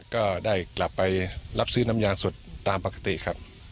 ก็ได้กลับไปรับซื้อน้ำยาสดตามปกติครับ